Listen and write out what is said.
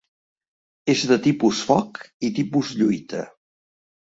És de tipus foc i tipus lluita.